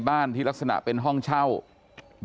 สวัสดีครับคุณผู้ชาย